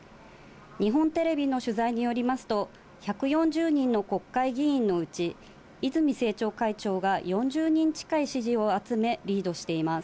日本テレビの取材によりますと、１４０人の国会議員のうち、泉政調会長が４０人近い支持を集め、リードしています。